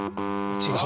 違う。